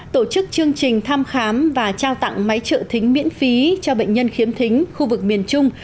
tổ chức chương trình thăm khám và trao tặng máy trợ thính miễn phí cho bệnh nhân khiếm thính khu vực miền trung